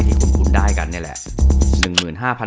ที่คุ้นได้นี่แหละ